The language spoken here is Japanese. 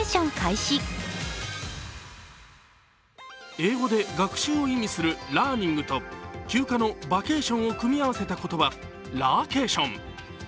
英語で学習を意味するラーニングと休暇のバケーションを組み合わせた言葉ラーケーション。